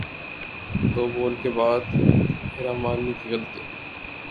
دو بول کے بعد حرا مانی کی غلطی